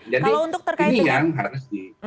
jadi ini yang harus di